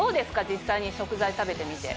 実際に食材食べてみて。